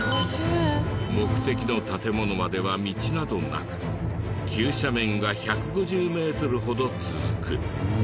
目的の建物までは道などなく急斜面が１５０メートルほど続く。